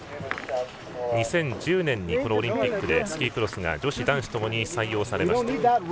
２０１０年にオリンピックでスキークロスが女子、男子とも採用されました。